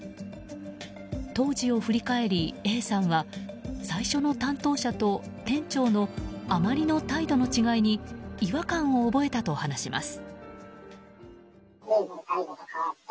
当時を振り返り、Ａさんは最初の担当者と店長のあまりの態度の違いに違和感を覚えたと話します。